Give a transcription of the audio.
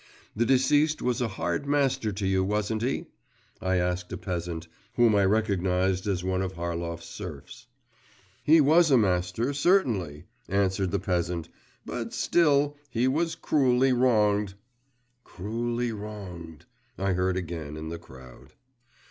'The deceased was a hard master to you, wasn't he?' I asked a peasant, whom I recognised as one of Harlov's serfs. 'He was a master, certainly,' answered the peasant, 'but still … he was cruelly wronged!' 'Cruelly wronged.…' I heard again in the crowd.